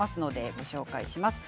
ご紹介します。